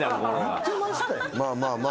言ってましたよ。